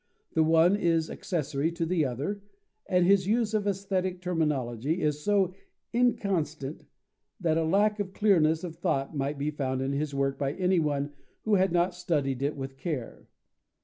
The one is accessory to the other, and his use of aesthetic terminology is so inconstant that a lack of clearness of thought might be found in his work by anyone who had not studied it with care.